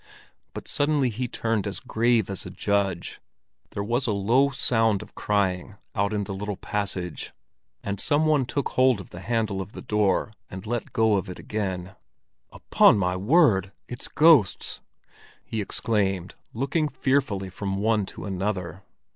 But suddenly he turned as grave as a judge; there was a low sound of crying out in the little passage, and some one took hold of the handle of the door and let go of it again. "Upon my word, it's ghosts!" he exclaimed, looking fearfully from one to another.